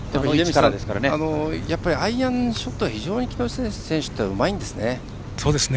アイアンショットは非常に木下選手というのはうまいんですよね。